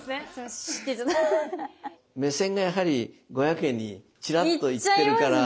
目線がやはり５００円にちらっと行ってるから。